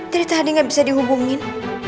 dari tadi nggak bisa dihubungin